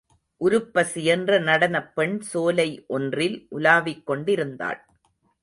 உருப்பசி என்ற நடனப்பெண் சோலை ஒன்றில் உலவிக் கொண்டிருந்தாள்.